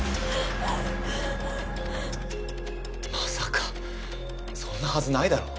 まさかそんなはずないだろ。